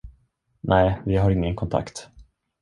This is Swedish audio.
Nej, vi har ingen kontakt.